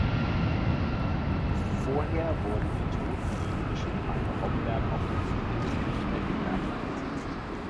Vorher wurden die Toten der jüdischen Gemeinde Homberg auf dem Friedhof in Falkenberg beigesetzt.